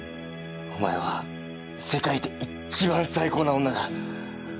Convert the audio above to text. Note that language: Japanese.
お前は世界で一番最高な女だ。